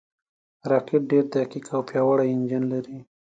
راکټ ډېر دقیق او پیاوړی انجن لري